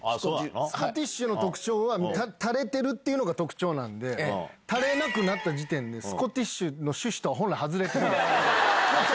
スコティッシュの特徴は垂れてるのが特徴なんで垂れなくなった時点でスコティッシュの趣旨とは本来外れてるんです。